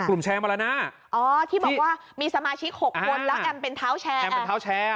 แชร์มาแล้วนะอ๋อที่บอกว่ามีสมาชิกหกคนแล้วแอมเป็นเท้าแชร์แอมเป็นเท้าแชร์